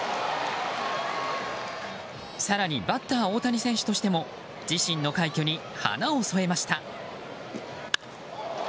更にバッター大谷選手としても自身の快挙に花を添えました。